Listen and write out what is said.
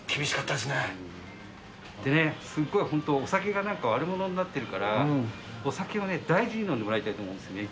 でね、すごい本当、お酒が悪者になってるから、お酒を大事に飲んでもらいたいと思うんですよね。